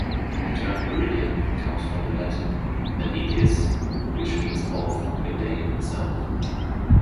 The term "meridian" comes from the Latin "meridies", which means both "midday" and "south".